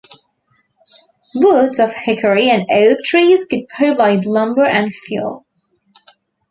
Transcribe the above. Woods of hickory and oak trees could provide lumber and fuel.